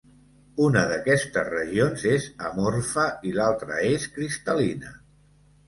Una d'aquestes regions és amorfa i l'altra és cristal·lina.